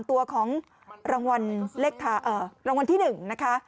๓ตัวของรางวัลที่๑นะคะ